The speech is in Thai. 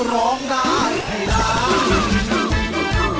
ร้องได้ให้ร้าน